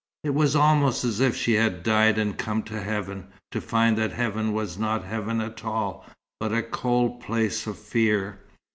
It was almost as if she had died and come to Heaven, to find that Heaven was not Heaven at all, but a cold place of fear.